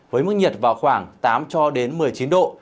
với mức nhiệt vào khoảng tám cho đến một mươi chín độ